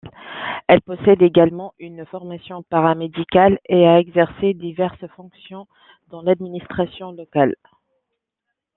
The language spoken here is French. Elle possède également une formation paramédicale et a exercé diverses fonctions dans l'administration locale.